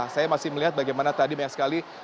saya masih melihat bagaimana tadi banyak sekali